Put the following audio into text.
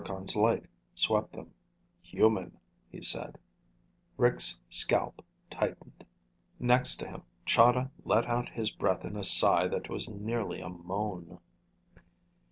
Zircon's light swept them. "Human," he said. Rick's scalp tightened. Next to him, Chahda let out his breath in a sigh that was nearly a moan.